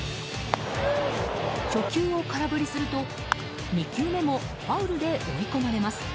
初球を空振りすると、２球目もファウルで追い込まれます。